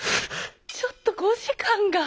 ちょっと５時間が。